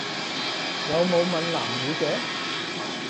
有冇閩南語嘅？